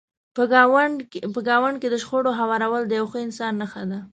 په ګاونډ کې د شخړو هوارول د یو ښه انسان نښه ده.